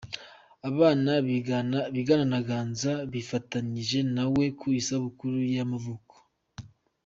Abana bigana na Ganza bifatanyije na we ku isabukuru ye y'amavuko.